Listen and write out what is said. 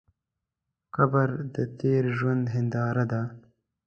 قبر د تېر ژوند هنداره ده.